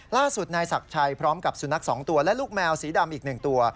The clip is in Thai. ล่าสุดนายศักดิ์ชัยพร้อมกับสุนัข๒ตัวและลูกแมวสีดำอีก๑ตัว